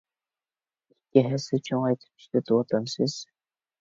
ئىككى ھەسسە چوڭايتىپ ئىشلىتىۋاتامسىز؟